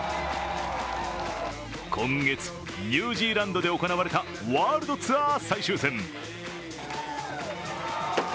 今月ニュージーランドで行われたワールドツアー最終戦。